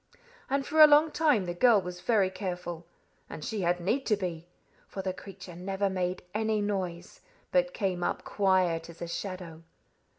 And for a long time the girl was very careful. And she had need to be; for the creature never made any noise, but came up as quiet as a shadow.